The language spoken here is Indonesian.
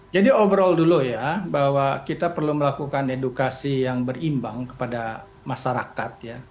jadi overall dulu ya bahwa kita perlu melakukan edukasi yang berimbang kepada masyarakat